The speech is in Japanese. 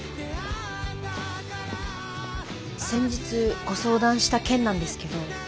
先日ご相談した件なんですけど。